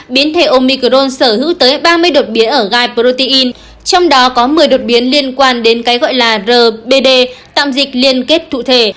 biến thể omicrone sở hữu tới ba mươi đột biến ở gai protein trong đó có một mươi đột biến liên quan đến cái gọi là rbd tạm dịch liên kết cụ thể